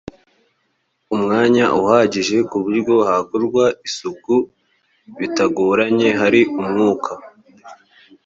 umwanya uhagije ku buryo hakorwa isuku bitagoranye hari umwuka